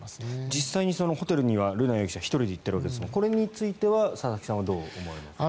実際にホテルには瑠奈容疑者１人で行っているわけですがこれについては佐々木さんはどう思われますか？